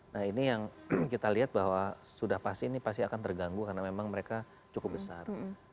nah ini yang kita lihat bahwa sudah pasti ini pasti akan terganggu karena memang mereka cukup besar